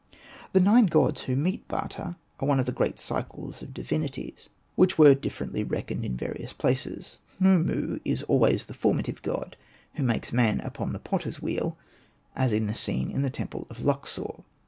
The Nine Gods who meet Bata are one of the great cycles of divinities, which were dif Hosted by Google 78 ANPU AND BATA ferently reckoned in various places. Khnumu is always the formative god, who makes man upon the potter's wheel, as in the scene in the temple of Luqsor.